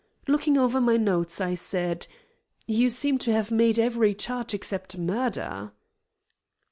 Looking over my notes, I said: "You seem to have made every charge except murder."